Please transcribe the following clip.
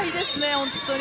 本当に。